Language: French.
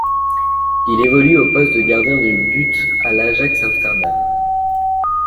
Il évolue au poste de gardien de but à l'Ajax Amsterdam.